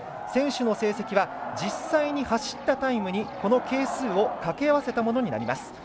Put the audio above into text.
選手の成績は実際に走ったタイムにこの係数をかけ合わせたものになります。